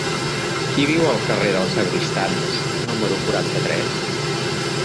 Qui viu al carrer dels Sagristans número quaranta-tres?